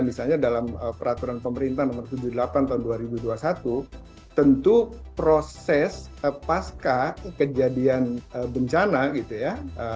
misalnya dalam peraturan pemerintah nomor tujuh puluh delapan tahun dua ribu dua puluh satu tentu proses pasca kejadian bencana gitu ya